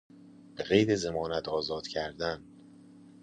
به قید ضمانت آزاد کردن